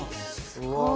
すごい。